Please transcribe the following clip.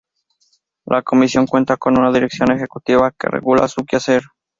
La Comisión cuenta con una Dirección Ejecutiva que regula su quehacer.